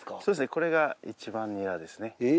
これが一番ニラですね。